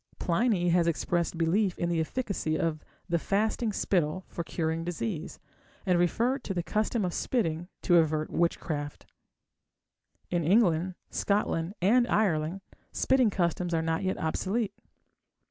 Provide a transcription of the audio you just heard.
Pliny has expressed belief in the efficacy of the fasting spittle for curing disease, and referred to the custom of spitting to avert witchcraft. In England, Scotland, and Ireland spitting customs are not yet obsolete.